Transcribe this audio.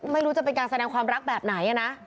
ไม่รู้จะเป็นการแสดงความรักแบบไหนนะ